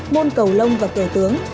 môn cầu lông và kẻ tướng